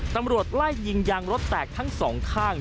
ตำรวจไล่ยิงยางรถแตกทั้งสองข้าง